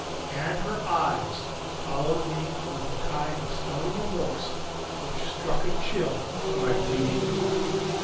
And her eyes followed me with a kind of stony remorse which struck a chill to my bleeding heart.